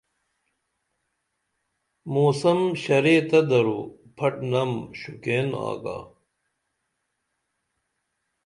موسم ݜرے تہ درو پھٹ نم شوکین آگا